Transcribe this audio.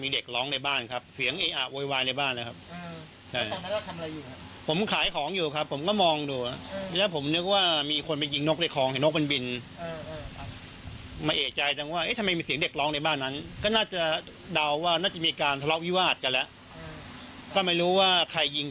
โดนหิ้วออกมาหิ้วออกมาสภาพที่แบบถูกยิง